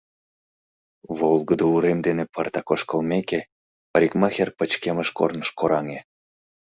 Волгыдо урем дене пыртак ошкылмеке, парикмахер пычкемыш корныш кораҥе.